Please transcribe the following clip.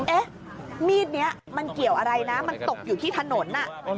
เอ๊ะมีดนี้มันเกี่ยวอะไรนะมันตกอยู่ที่ถนน